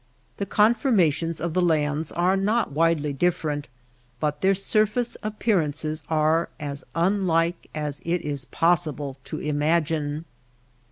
The conformations of the lands are not widely different, but their surface appearances are as unlike as it is pos sible to imagine.